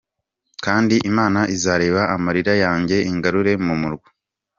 Kandi Imana izareba amarira yanjye ingarure mu murwa.